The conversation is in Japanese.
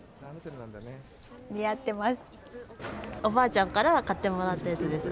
似合ってます。